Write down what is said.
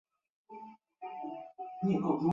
滨海库尔瑟勒。